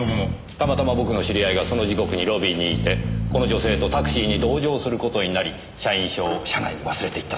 たまたま僕の知り合いがその時刻にロビーにいてこの女性とタクシーに同乗する事になり社員証を車内に忘れていったそうです。